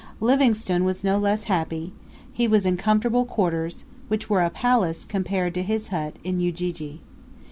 Livingstone was no less happy; he was in comfortable quarters, which were a palace compared to his hut in Ujiji.